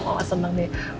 oh mama seneng deh